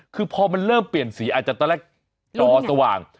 คือพอมันเริ่มเปลี่ยนสีอาจจะตอนแรกจอสว่าง